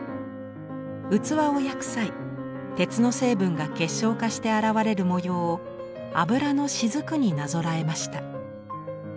器を焼く際鉄の成分が結晶化して現れる模様を油の滴になぞらえました。